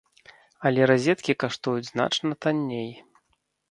Але разеткі каштуюць значна танней.